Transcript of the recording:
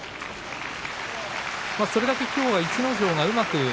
それだけ、きょうは逸ノ城がうまく。